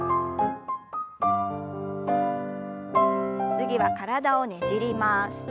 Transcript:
次は体をねじります。